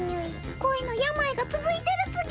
恋の病が続いてるつぎ。